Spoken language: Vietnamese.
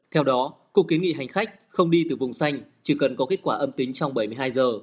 theo đó cục kiến nghị hành khách không đi từ vùng xanh chỉ cần có kết quả âm tính trong bảy mươi hai giờ